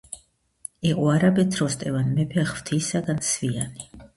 იყო არაბეთს როსტევან მეფე ღვთისაგან სვიანი.